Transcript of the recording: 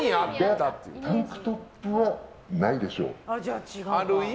タンクトップではないでしょう。